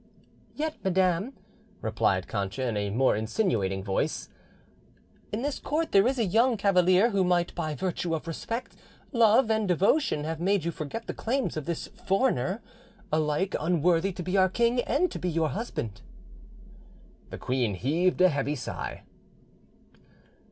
"Yet, madam," replied Cancha in a more insinuating voice, "in this court there is a young cavalier who might by virtue of respect, love, and devotion have made you forget the claims of this foreigner, alike unworthy to be our king and to be your husband." The queen heaved a heavy sigh.